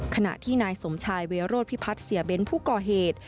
ขณะที่นายสมชายเวโรธพิพัฒน์เสียเบ้นผู้ก่อเหตุ